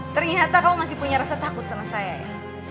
ternyata kamu masih punya rasa takut sama saya ya